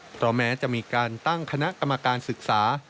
เพราะแม้จะมีการตั้งคณะกรรมการศึกษา